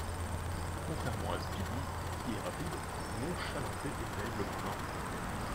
Contrairement à Speedy, qui est rapide, Nonchalanté est terriblement lent.